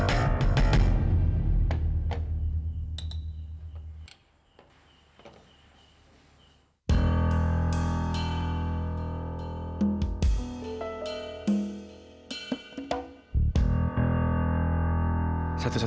saya akan menjaga kesehatan saya